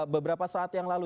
beberapa saat yang lalu